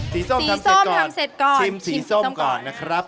สีส้มทำเสร็จก่อนชิมสีส้มก่อนนะครับ